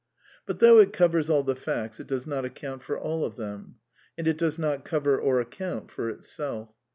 But though it covers all the facts it does not account for all of them ; and it does not cover or account for itself.